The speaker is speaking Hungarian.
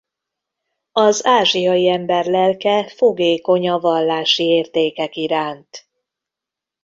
Az ázsiai ember lelke fogékony a vallási értékek iránt.